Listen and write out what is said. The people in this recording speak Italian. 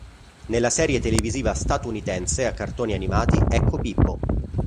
Nella serie televisiva statunitense a cartoni animati "Ecco Pippo!